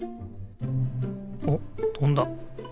おっとんだ。